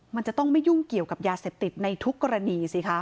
มันจะต้องไม่ยุ่งเกี่ยวกับยาเสพติดในทุกกรณีสิคะ